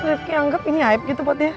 ritki anggap ini aib gitu buat dia